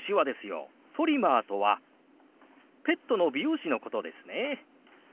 トリマーとはペットの美容師のことですね。